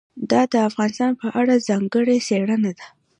دا د افغانستان په اړه ځانګړې څېړنه ده.